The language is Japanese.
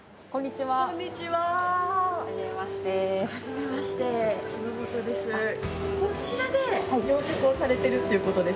はじめまして島本です。